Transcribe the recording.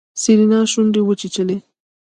سېرېنا شونډې وچيچلې.